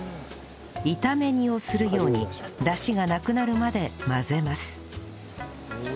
炒め煮をするようにダシがなくなるまで混ぜます